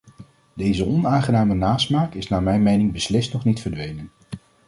Deze onaangename nasmaak is naar mijn mening beslist nog niet verdwenen.